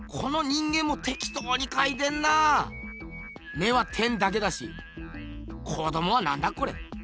目は点だけだし子どもはなんだこれ？